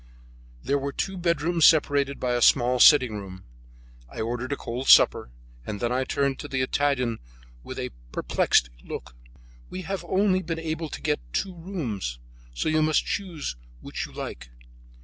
There were two bedrooms separated by a small sitting room. I ordered a cold supper, and then I turned to the Italian with a perplexed look. "We have only been able to get two rooms, so you must choose which you like."